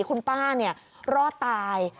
คุณป้ารอดตาย